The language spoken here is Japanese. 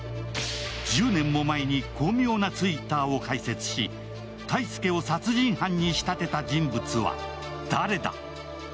１０年も前に巧妙なＴｗｉｔｔｅｒを開設し泰介を殺人犯に仕立てた人物は誰だ？